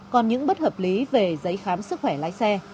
còn những bất hợp lý về giấy khám sức khỏe lái xe